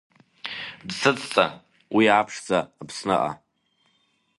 Дсыцҵа уи аԥшӡа Аԥсныҟа!